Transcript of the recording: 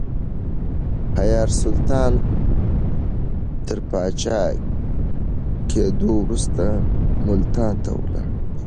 حيار سلطان تر پاچا کېدو وروسته ملتان ته ولاړ.